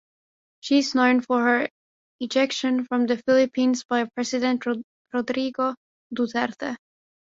She is known for her ejection from the Philippines by president Rodrigo Duterte.